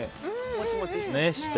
もちもちして。